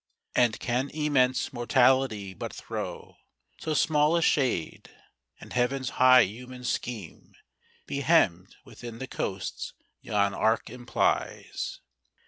And can immense Mortality but throw So small a shade, and Heaven's high human scheme Be hemmed within the coasts yon arc implies?